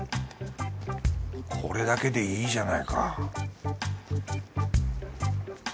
これだけでいいじゃないか